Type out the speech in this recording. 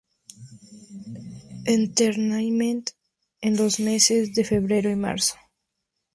Entertainment en los meses de febrero y marzo.